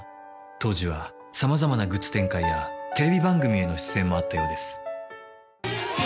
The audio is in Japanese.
当時はさまざまなグッズ展開やテレビ番組への出演もあったようです。